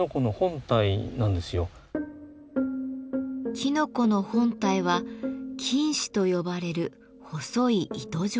きのこの本体は「菌糸」と呼ばれる細い糸状のもの。